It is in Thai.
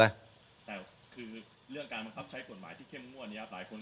คือเรื่องการบังคับใช้กฎหมายที่เข้มมั่วเนี่ย